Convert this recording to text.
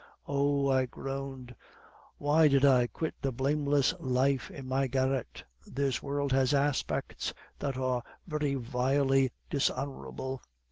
"'Oh,' I groaned; 'why did I quit the blameless life in my garret? This world has aspects that are very vilely dishonorable.